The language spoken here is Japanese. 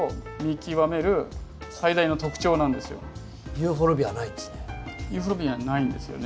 ユーフォルビアはないんですね。